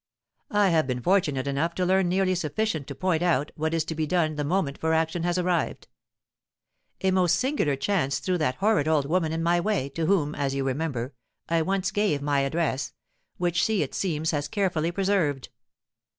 I have been fortunate enough to learn nearly sufficient to point out what is to be done the moment for action has arrived. A most singular chance threw that horrid old woman in my way, to whom, as you remember, I once gave my address, which she it seems has carefully preserved.